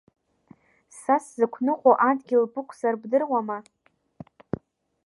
Са сзықәныҟәо адгьыл бықәзар, бдыруама?